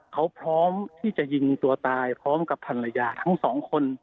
เขาพร้อมที่จะยิงตัวตายพร้อมกับภรรยาทั้งสองคน